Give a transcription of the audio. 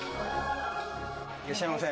いらっしゃいませ。